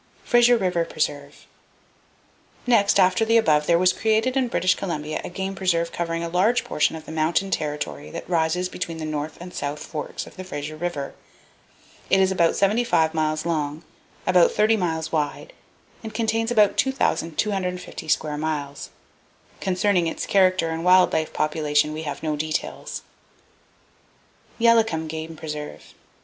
Frazer River Preserve.—Next after the above there was created in British Columbia a game preserve covering a large portion of the mountain territory that rises between the North and South Forks of the Fraser River. It is about 75 miles long by 30 miles wide and contains [Page 354] about 2,250 square miles. Concerning its character and wild life population we have no details. Yalakom Game Preserve.